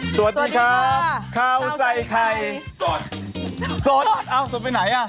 สวัสดีครับข้าวใส่ไข่สดสดเอาสดไปไหนอ่ะ